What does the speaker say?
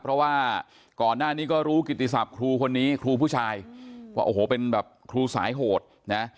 เพราะว่าก่อนหน้านี้ก็รู้กิติศัพท์ครูคนนี้ครูผู้ชายว่าโอ้โหเป็นแบบครูสายโหดนะ